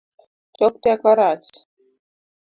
Tok teko rach